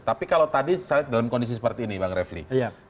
tapi kalau tadi dalam kondisi seperti ini bang refli